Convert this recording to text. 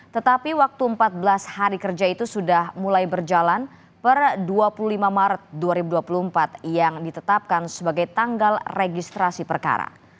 tetapi waktu empat belas hari kerja itu sudah mulai berjalan per dua puluh lima maret dua ribu dua puluh empat yang ditetapkan sebagai tanggal registrasi perkara